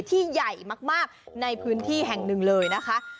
ที่ใหญ่มากในพื้นที่แห่งหนึ่งเลยนะคะ